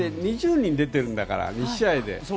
２０人出てるんだから２試合で。